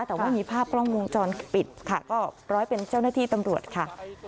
แต่ว่ามันมีภาพกล้องวงจรปิดค่ะก็ปล่อยเป็นเจ้านักธิตำรวจค่ะ